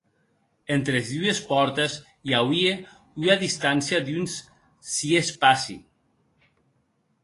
Entre es dues pòrtes i auie ua distància d’uns sies passi.